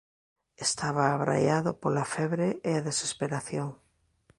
Estaba abraiado pola febre e a desesperación.